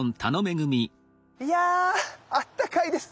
いやあったかいです。